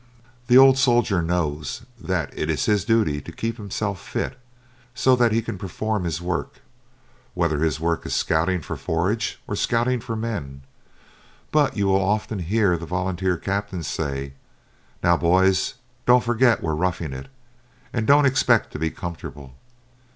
The old soldier knows that it is his duty to keep himself fit, so that he can perform his work, whether his work is scouting for forage or scouting for men, but you will often hear the volunteer captain say: "Now, boys, don't forget we're roughing it; and don't expect to be comfortable."